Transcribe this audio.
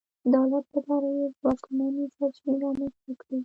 دولت لپاره یې ځواکمنې سرچینې رامنځته کړې.